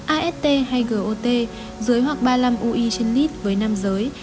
ast hay got dưới hoặc ba mươi năm ui trên lít với năm giới